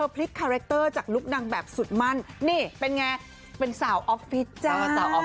พลิกคาแรคเตอร์จากลุคนางแบบสุดมั่นนี่เป็นไงเป็นสาวออฟฟิศจ้าสาวออฟ